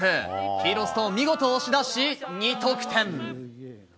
黄色ストーンを見事押し出し、２得点。